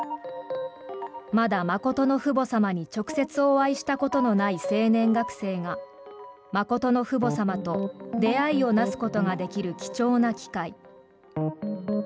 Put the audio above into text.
まだ真の父母様に直接お会いしたことのない青年学生が真の父母様と出会いをなすことができる貴重な機会。